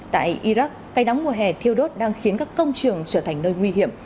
tại iraq cây nóng mùa hè thiêu đốt đang khiến các công trường trở thành nơi nguy hiểm